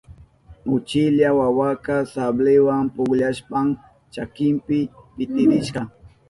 Uchilla wawaka sabliwa pukllashpan chakinpi pitirishka.